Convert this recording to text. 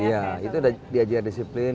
iya itu diajar disiplin